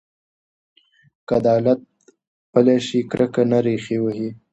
که عدالت پلی شي، کرکه نه ریښې وهي.